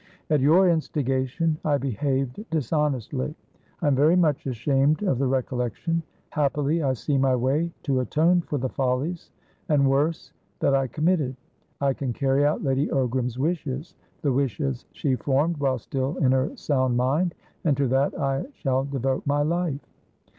At your instigation, I behaved dishonestly; I am very much ashamed of the recollection. Happily, I see my way to atone for the follies, and worse, that I committed. I can carry out Lady Ogram's wishesthe wishes she formed while still in her sound mindand to that I shall devote my life."